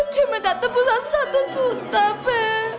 dia minta tebusan satu juta pe